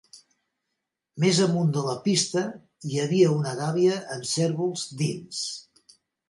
Més amunt de la pista hi havia una gàbia amb cérvols dins.